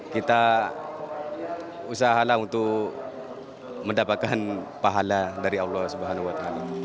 kita usahalah untuk mendapatkan pahala dari allah swt